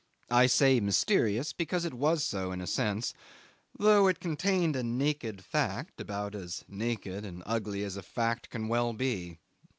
I say mysterious, because it was so in a sense though it contained a naked fact, about as naked and ugly as a fact can well be.